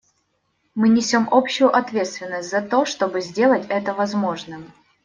Мы несем общую ответственность за то, чтобы сделать это возможным.